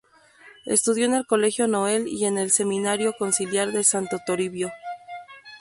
Estudió en el Colegio Noel y en el Seminario Conciliar de Santo Toribio.